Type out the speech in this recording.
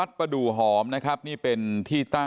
นายพิรายุนั่งอยู่ติดกันแบบนี้นะคะ